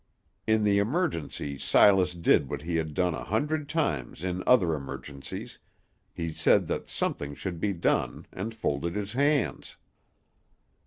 In the emergency Silas did what he had done a hundred times in other emergencies he said that something should be done, and folded his hands.